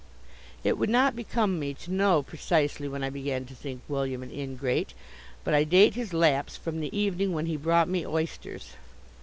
It would not become me to know precisely when I began to think William an ingrate, but I date his lapse from the evening when he brought me oysters.